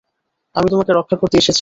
আমি তোমাকে রক্ষা করতে এসেছি!